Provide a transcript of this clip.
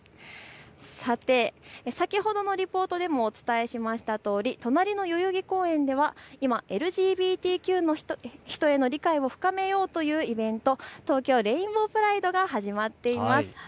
さて、先ほどのリポートでもお伝えしましたとおり隣の代々木公園では今、ＬＧＢＴＱの人への理解を深めようというイベント、東京レインボープライドが始まっています。